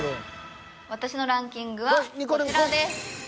私のランキングはこちらです。